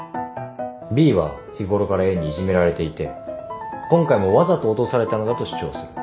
Ｂは日頃からＡにいじめられていて今回もわざと落とされたのだと主張する。